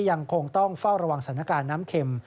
ยังคงต้องเฝ้าระวังสถานการณ์น้ำเข็ม